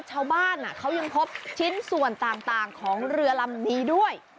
ชาวบ้านเขายังพบชิ้นส่วนต่างของเรือลำนี้ด้วย